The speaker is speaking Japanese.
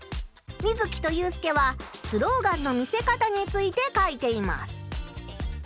ミズキとユウスケはスローガンの見せ方について書いています。